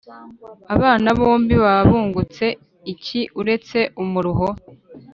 abana bombi baba bungutse iki uretse umuruho?